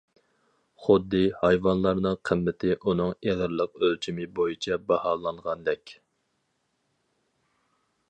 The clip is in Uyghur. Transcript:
خۇددى، ھايۋانلارنىڭ قىممىتى ئۇنىڭ ئېغىرلىق ئۆلچىمى بويىچە باھالانغاندەك.